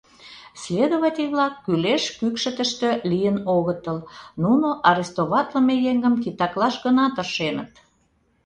«...Следователь-влак кӱлеш кӱкшытыштӧ лийын огытыл, нуно арестоватлыме еҥым титаклаш гына тыршеныт.